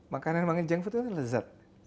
makanan yang jangkut itu lezat